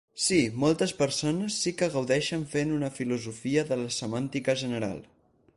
Sí, moltes persones sí que gaudeixen fent una filosofia de la semàntica general.